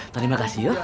terima kasih yuk